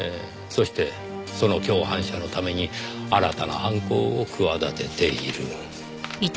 そしてその共犯者のために新たな犯行を企てている。